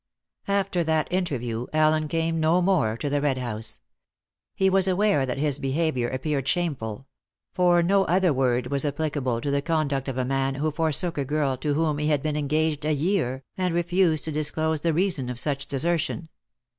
After that interview Allen came no more to the Red House. He was aware that his behaviour appeared shameful; for no other word was applicable to the conduct of a man who forsook a girl to whom he had been engaged a year, and refused to disclose the reason of such desertion.